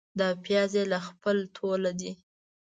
دا پیاز يې له خپله توله دي.